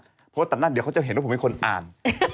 เพราะว่าตัดหน้าเดี๋ยวเขาจะเห็นว่าผมเป็นคนอ่าน